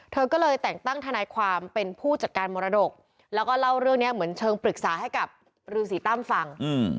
เธอก็เลยแต่งตั้งทนายความเป็นผู้จัดการมรดกแล้วก็เล่าเรื่องนี้เหมือนเชิงปรึกษาให้กับรือสีตั้มฟัง